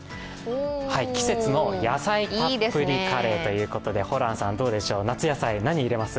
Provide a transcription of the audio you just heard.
季節の野菜たっぷりカレーということでホランさん、どうでしょう、夏野菜、何入れます？